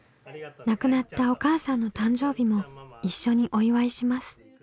亡くなったお母さんの誕生日も一緒にお祝いします。